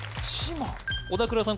小田倉さん